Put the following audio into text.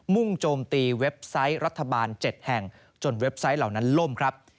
่งโจมตีเว็บไซต์รัฐบาล๗แห่งจนเว็บไซต์เหล่านั้นล่มครับ